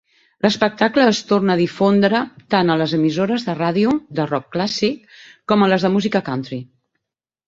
L'espectacle es torna a difondre tant a les emissores de ràdio de rock clàssic com a les de música country.